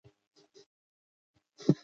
اوس پانګوال راځي او د لازم کار وخت راکموي